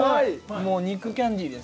もう肉キャンディーです。